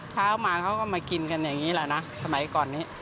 เช้ามาเขาก็มากินกันอย่างนี้แหละนะสมัยก่อนนี้